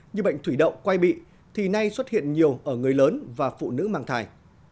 như bệnh thủy đậu quay bị thì nay xuất hiện nhiều ở người lớn và phụ nữ mang thai